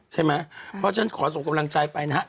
ใช่ไหมเพราะฉะนั้นขอส่งกำลังใจไปนะฮะ